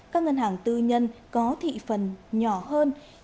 các ngân hàng tư nhân có thị phần nhỏ hơn